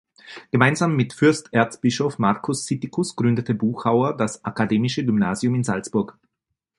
Gemeinsam mit Fürsterzbischof Markus Sittikus gründete Buchauer das Akademische Gymnasium in Salzburg.